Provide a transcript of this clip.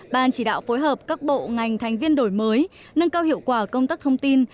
ban chỉ đạo phối hợp các bộ ngành thành viên đổi mới nâng cao hiệu quả công tác thông tin